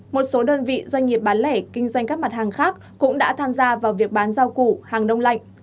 một số đơn vị doanh nghiệp bán lẻ kinh doanh các mặt hàng khác cũng đã tham gia vào việc bán rau củ hàng đông lạnh